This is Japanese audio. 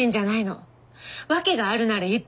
訳があるなら言ってほしいの。